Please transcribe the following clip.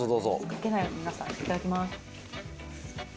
かけないように皆さんにいただきます。